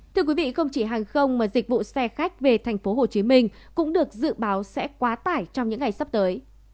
thưa quý vị không chỉ hàng không mà dịch vụ xe khách về tp hcm cũng được dự báo sẽ quá tải trong những ngày sắp tới